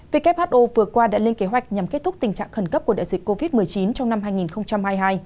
who vừa qua đã lên kế hoạch nhằm kết thúc tình trạng khẩn cấp của đại dịch covid một mươi chín trong năm hai nghìn hai mươi hai